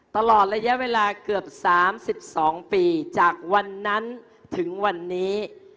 ตลอดระยะเวลาเกือบ๓๒ปีจากวันนั้นถึงวันนี้